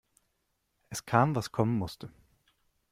Es kam, was kommen musste.